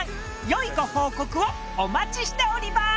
よいご報告をお待ちしております